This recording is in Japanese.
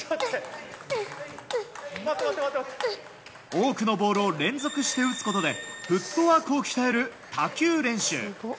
多くのボールを連続して打つことでフットワークを鍛える多球練習。